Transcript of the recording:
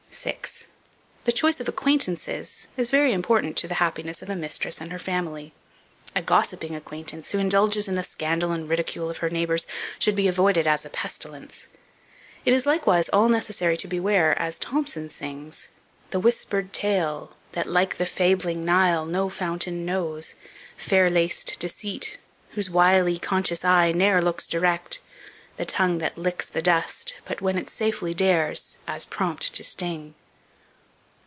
6. THE CHOICE OF ACQUAINTANCES is very important to the happiness of a mistress and her family. A gossiping acquaintance, who indulges in the scandal and ridicule of her neighbours, should be avoided as a pestilence. It is likewise all necessary to beware, as Thomson sings, "The whisper'd tale, That, like the fabling Nile, no fountain knows; Fair laced Deceit, whose wily, conscious aye Ne'er looks direct; the tongue that licks the dust But, when it safely dares, as prompt to sting."